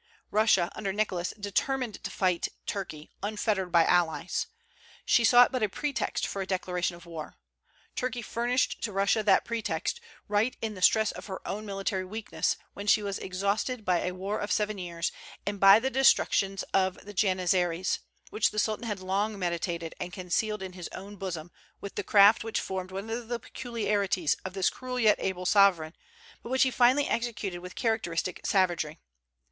Russia, under Nicholas, determined to fight Turkey, unfettered by allies. She sought but a pretext for a declaration of war. Turkey furnished to Russia that pretext, right in the stress of her own military weakness, when she was exhausted by a war of seven years, and by the destruction of the Janizaries, which the Sultan had long meditated, and concealed in his own bosom with the craft which formed one of the peculiarities of this cruel yet able sovereign, but which he finally executed with characteristic savagery.